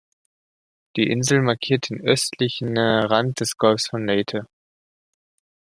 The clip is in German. Die Insel markiert den östlichen Rand des Golfes von Leyte.